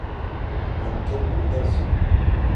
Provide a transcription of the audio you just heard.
ممکن اوږده سي.